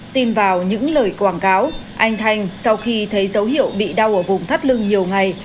tin vào những lời quảng cáo anh thanh sau khi thấy dấu hiệu bị đau ở vùng thắt lưng nhiều ngày